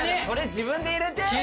自分で入れて！